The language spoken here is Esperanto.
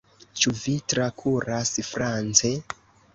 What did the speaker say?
Ĉu vi tradukas france?